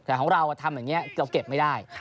แต่ของเราทำอย่างนี้เราเก็บไม่ได้